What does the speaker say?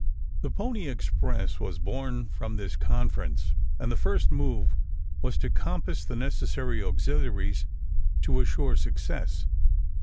The Pony Express was born from this conference, and the first move was to compass the necessary auxiliaries to assure success.